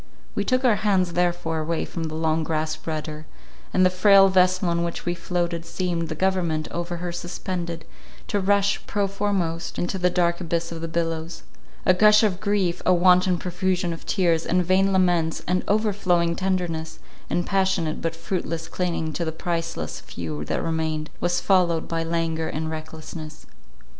We took our hands therefore away from the long grasped rudder; and the frail vessel on which we floated, seemed, the government over her suspended, to rush, prow foremost, into the dark abyss of the billows. A gush of grief, a wanton profusion of tears, and vain laments, and overflowing tenderness, and passionate but fruitless clinging to the priceless few that remained, was followed by languor and recklessness.